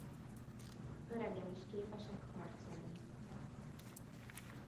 Öregen is képesek harcolni.